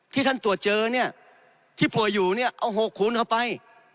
ที่ท่านตรวจเจอที่ผลอยู่เอา๖คูณเข้าไป